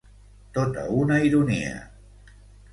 Tota una ironia!